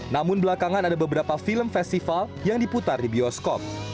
namun belakangan ada beberapa film festival yang diputar di bioskop